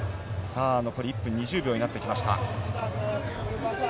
残り１分２０秒になってきました。